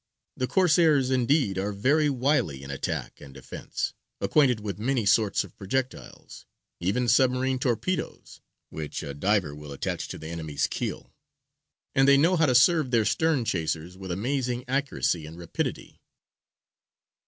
The Corsairs, indeed, are very wily in attack and defence, acquainted with many sorts of projectiles, even submarine torpedoes, which a diver will attach to the enemy's keel, and they know how to serve their stern chasers with amazing accuracy and rapidity.